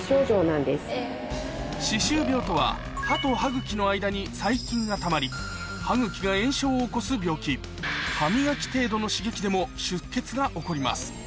歯周病とは歯と歯茎の間に細菌がたまり歯茎が炎症を起こす病気歯磨き程度の刺激でも出血が起こります